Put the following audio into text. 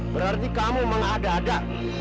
berarti kamu mengada ada